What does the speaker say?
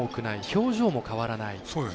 表情も変わらない。